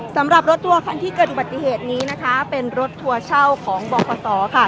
สำหรับรถทัวร์คันที่เกิดอุบัติเหตุนี้นะคะเป็นรถทัวร์เช่าของบคศค่ะ